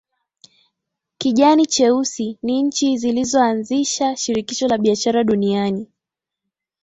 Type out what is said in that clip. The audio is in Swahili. Kijani cheusi ni nchi zilizoanzisha shirikisho la biashara duniani